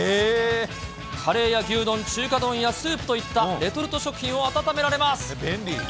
カレーや牛丼、中華丼やスープといったレトルト食品を温められま便利。